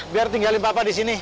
biar tinggalin papa di sini